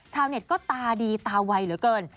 ชาวเน็ตก็ตาดีตาไวเหลือเกิน